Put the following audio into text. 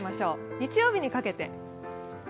日曜日にかけて。